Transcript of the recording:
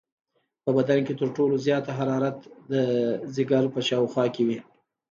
په بدن کې تر ټولو زیاته حرارت د جگر په شاوخوا کې وي.